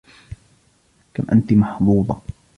كم أنتِ محظوظة!